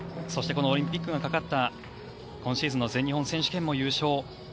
そしてこのオリンピックがかかった今シーズンの全日本選手権も優勝。